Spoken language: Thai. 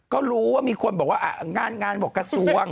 ก็รู้ว่ามีคนบอกว่างานบอกกระทรวง